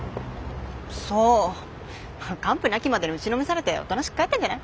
完膚なきまでに打ちのめされておとなしく帰ったんじゃない？